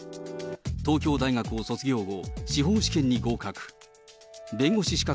東京大学を卒業後、司法試験に合格。